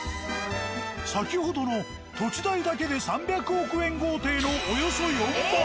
先ほどの土地代だけで３００億円豪邸のおよそ４倍。